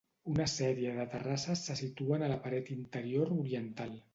Una sèrie de terrasses se situen a la paret interior oriental.